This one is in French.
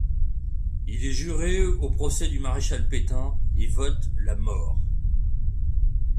Il est juré au procès du maréchal Pétain et vote la mort.